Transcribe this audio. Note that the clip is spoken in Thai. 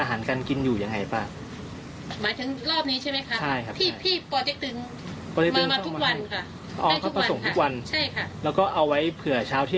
จะไม่อยู่เพราะพ่อกับแม่แก่ไง